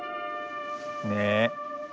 ねえ。